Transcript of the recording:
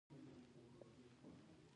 زه کولی شم دا لوحه ډیره ارزانه وپلورم